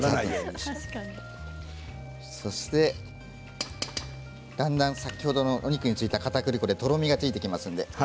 そしてだんだん先ほどのお肉についたかたくり粉でとろみがついてきます。